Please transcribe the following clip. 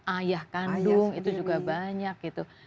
ayah kandung itu juga banyak gitu